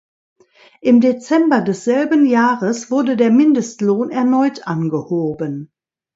Im Dezember desselben Jahres wurde der Mindestlohn erneut angehoben.